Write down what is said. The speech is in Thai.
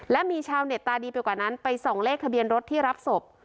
และมีชาวเน็ตตาดีไปกว่านั้นไปส่องเลขทะเบียนรถที่รับศพ